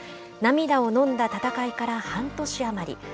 涙をのんだ戦いから半年余り。